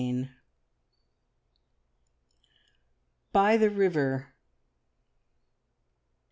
BY THE RIVER.